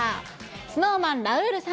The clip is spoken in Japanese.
ＳｎｏｗＭａｎ・ラウールさん。